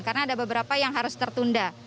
karena ada beberapa yang harus tertunda